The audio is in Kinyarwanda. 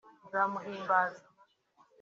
Nzamuhimbaza